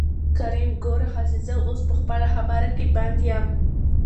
کريم : ګوره ښځې زه اوس په خپله خبره کې بند يم.